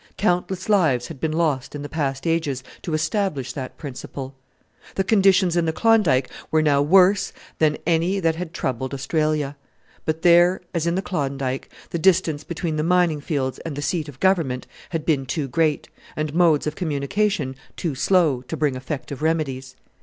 Countless lives had been lost in the past ages to establish that principle. The conditions in the Klondike were now worse than any that had troubled Australia; but there as in the Klondike the distance between the mining fields and the seat of Government had been too great, and modes of communication too slow, to bring effective remedies.